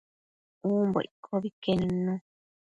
umbo iccobi que nidnu